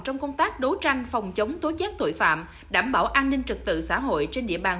trong công tác đấu tranh phòng chống tố chết tội phạm đảm bảo an ninh trật tự xã hội trên địa bàn